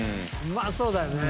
うまそうだよね。